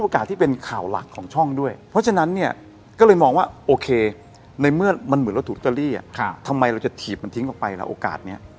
ก็เลยมองว่าโอเคในเมื่อมันเหมือนเราถูกลอตเตอรี่อะทำไมเราจะถีบมันทิ้งออกไปละโอกาสเนี่ย